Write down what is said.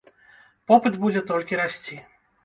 Попыт будзе толькі расці.